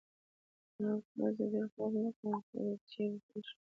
ما ورته وویل: زه ډېر خوب نه کوم، فرید چېرې څه شو؟